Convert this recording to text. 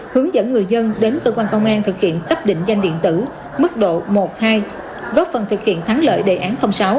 hướng dẫn người dân đến cơ quan công an thực hiện cấp định danh điện tử mức độ một hai góp phần thực hiện thắng lợi đề án sáu